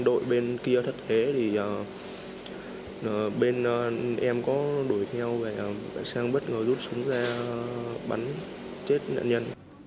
đội bên kia thất thế thì bên em có đuổi theo và sang bất ngờ rút súng ra bắn chết nạn nhân